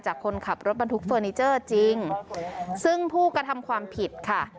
คนขับรถบรรทุกเฟอร์นิเจอร์จริงซึ่งผู้กระทำความผิดค่ะ